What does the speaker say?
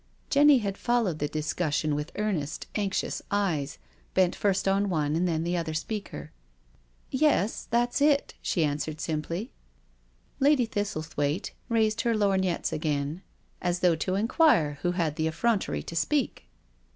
Jenny had followed the discussion with earnest, anxious eyes, bent first on one and then the other speaker. " Yes, that's it," she answered simply. Lady Thistle AT THE week end COTTAGE l6i thwaite raised her lorgnettes again, as though to inquire who had the effrontery to speak.